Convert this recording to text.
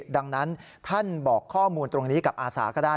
ดังนั้นท่านบอกข้อมูลตรงนี้กับอาสาก็ได้